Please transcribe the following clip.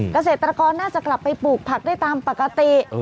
เกษตรกรน่าจะกลับไปปลูกผักได้ตามปกติ